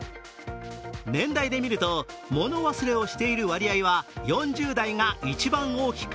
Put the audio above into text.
年代でみると物忘れをしている割合は４０代が一番大きく